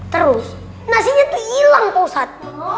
terus nasinya tuh hilang pak ustadz